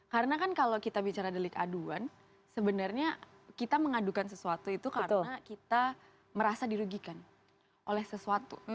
karena kan kalau kita bicara delik aduan sebenarnya kita mengadukan sesuatu itu karena kita merasa dirugikan oleh sesuatu